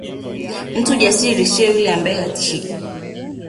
Mtu jasiri sio yule ambaye hatishiki